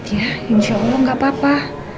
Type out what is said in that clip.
ya insya allah gak apa apa